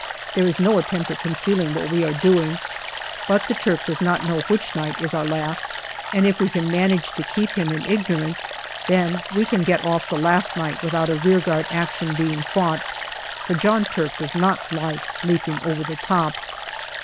There is no attempt at concealing what we are doing. But the Turk does not know which night is our last, and if we can manage to keep him in ignorance, then we can get off the last night without a rearguard action being fought, for John Turk does not like leaping over the top.